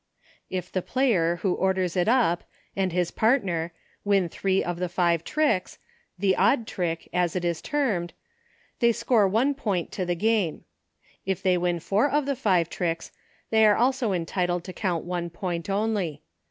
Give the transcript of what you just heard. If the player, who orders it up, and his partner, win three of the five tricks — the odd trick, as it is termed — they score one point to the game. K they win four of the five tricks they are also entitled to count one point only.